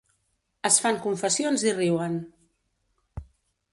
Es fan confessions i riuen.